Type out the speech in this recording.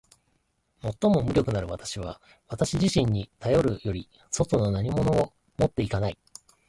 最も無力なる私は私自身にたよる外の何物をも持っていない。